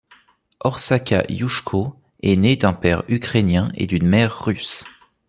Orsaka Yushko est née d'un père ukrainien et d'une mère russe.